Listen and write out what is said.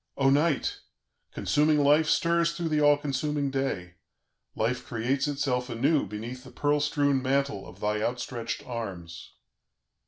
"O Night! consuming Life stirs through the all consuming day; Life creates itself anew beneath the pearl strewn mantle of thy outstretched arms...."